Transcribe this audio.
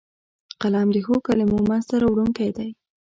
قلم د ښو کلمو منځ ته راوړونکی دی